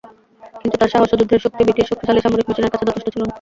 কিন্তু তার সাহস ও যুদ্ধের শক্তি ব্রিটিশ শক্তিশালী সামরিক মেশিনের কাছে যথেষ্ট ছিল না।